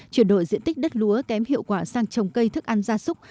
chuyển đổi diện tích đất lúa kém hiệu quả sang trồng cây thức ăn ra xúc